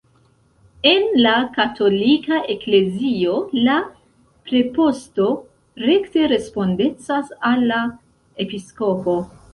En la katolika eklezio la preposto rekte respondecas al la episkopo.